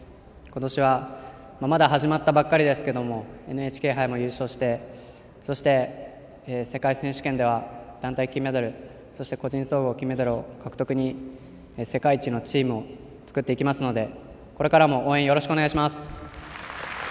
今年はまだ始まったばかりですけどＮＨＫ杯も優勝してそして、世界選手権では団体金メダルそして個人総合、金メダル獲得に世界一のチームを作っていきますのでこれからも応援よろしくお願いします。